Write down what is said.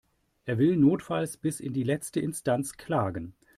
Er will notfalls bis in die letzte Instanz klagen.